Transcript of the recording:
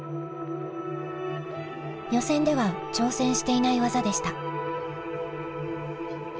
予選では挑戦していない技でした。